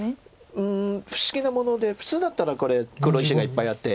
うん不思議なもので普通だったらこれ黒石がいっぱいあって。